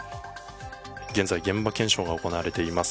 現在、現場検証が行われています。